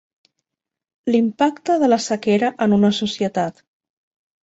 L'impacte de la sequera en una societat.